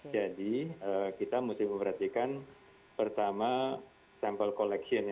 jadi kita mesti memperhatikan pertama sampel collection